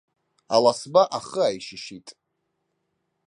Аласба ахы ааишьышьит.